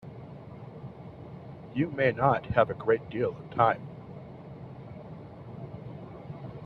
You may not have a great deal of time.